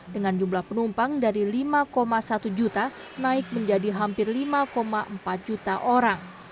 dengan jumlah penumpang dari lima satu juta naik menjadi hampir lima empat juta orang